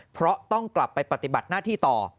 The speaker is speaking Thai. เพราะต้องกลับไปปฏิบัติหน้าที่ต่อ